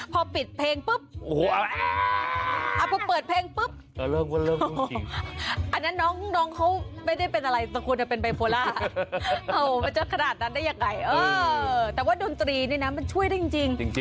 พอปิดเพลง